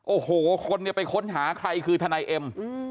โ้โหคนไปค้นหาใครคือทนายเน้น